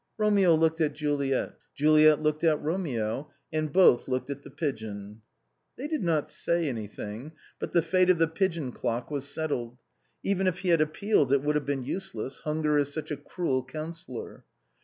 Romeo looked at Juliet, Juliet looked at Romeo, and both looked at the pigeon. They did not say anything, but the fate of the pigeon clock was settled. Even if he had appealed it would have been useless, hunger is such a cruel counsellor.